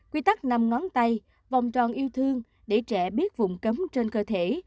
quy tắc nằm ngón tay vòng tròn yêu thương để trẻ biết vùng cấm trên cơ thể